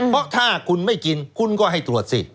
เพราะถ้าคุณไม่กินคุณก็ให้ตรวจสิ